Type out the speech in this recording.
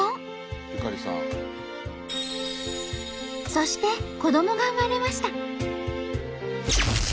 そして子どもが生まれました。